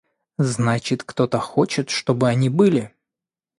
Значит – кто-то хочет, чтобы они были?